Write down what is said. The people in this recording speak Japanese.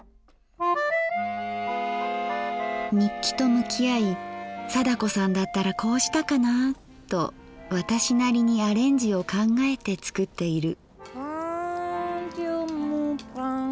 日記と向き合い貞子さんだったらこうしたかな？と私なりにアレンジを考えて作っている。